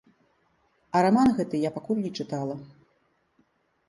А раман гэты я пакуль не чытала.